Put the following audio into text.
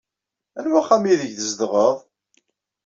Anwa axxam aydeg tzedɣeḍ?